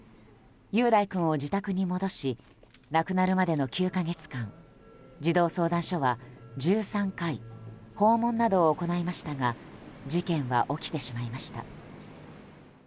雄大君を自宅に戻し亡くなるまでの９か月間児童相談所は１３回訪問などを行いましたが事件は起きてしまいました。